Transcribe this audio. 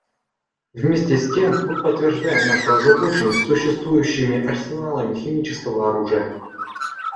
Вместе с тем мы подтверждаем нашу озабоченность существующими арсеналами химического оружия.